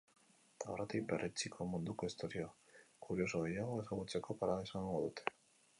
Aurretik, perretxikoen munduko istorio kurioso gehiago ezagutzeko parada izango dute.